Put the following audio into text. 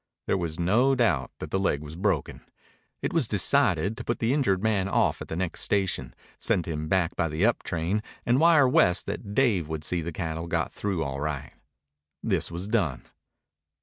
There was no doubt that the leg was broken. It was decided to put the injured man off at the next station, send him back by the up train, and wire West that Dave would see the cattle got through all right. This was done.